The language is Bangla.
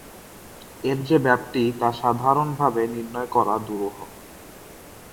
এর যে ব্যাপ্তি তা, সাধারণভাবে নির্ণয় করা দুরূহ।